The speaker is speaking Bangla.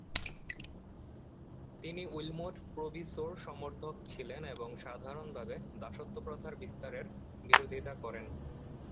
তিনি উইলমট প্রোভিসোর সমর্থক ছিলেন এবং সাধারণভাবে দাসত্বপ্রথার বিস্তারের বিরোধিতা করেন।